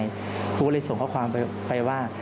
พวกเขาเลยส่งข้อความไปว่า